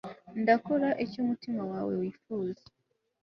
ndakora icyo umutima wawe wifuza